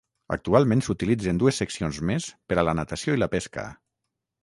Actualment s'utilitzen dues seccions més per a la natació i la pesca.